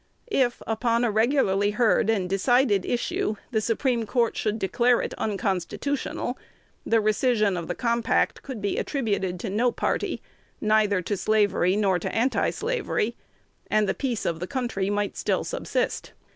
If, upon a regularly heard and decided issue, the Supreme Court should declare it unconstitutional, the recision of the compact could be attributed to no party, neither to slavery nor to antislavery, and the peace of the country might still subsist.